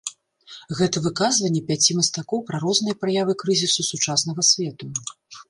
Гэта выказванні пяці мастакоў пра розныя праявы крызісу сучаснага свету.